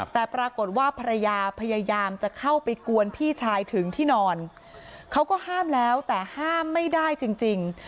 แต่ปรากฏว่าภรรยาพยายามจะเข้าไปกวนพี่ชายถึงที่นอนเขาก็ห้ามแล้วแต่ห้ามไม่ได้จริง